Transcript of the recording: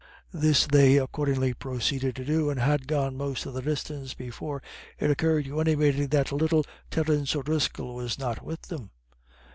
This they accordingly proceeded to do, and had gone most of the distance before it occurred to anybody that little Terence O'Driscoll was not with them.